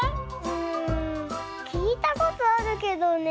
うんきいたことあるけどね。